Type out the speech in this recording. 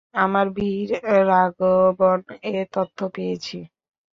আমরা ভীর রাঘবন এর তথ্য পেয়েছি।